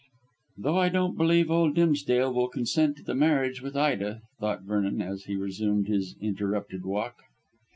"Though I don't believe old Dimsdale will consent to the marriage with Ida," thought Vernon, as he resumed his interrupted walk.